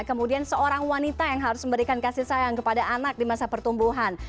kemudian seorang wanita yang harus memberikan kasih sayang kepada anak di masa pertumbuhan